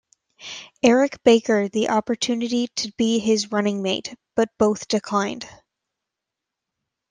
Eric Baker the opportunity to be his running mate, but both declined.